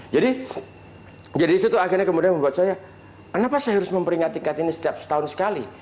jadi jadi itu tuh akhirnya kemudian membuat saya kenapa saya harus memperingati kartini setiap setahun sekali